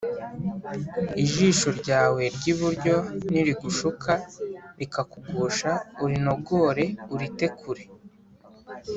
Ijisho ryawe ry’iburyo nirigushuka rikakugusha urinogore urite kure